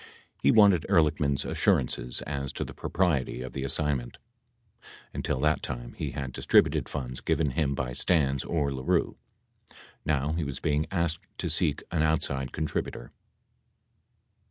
86 He wanted Ehrlichman's assurances as to the propriety of the assignment . Until that time he had distributed funds given him by Stans or LaRue. Now he was being asked to seek an outside contributor.